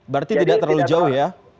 berarti tidak terlalu jauh ya